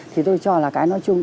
thì tôi cho là cái nói chung